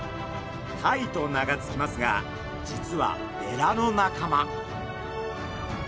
タイと名が付きますが実はベラの仲間。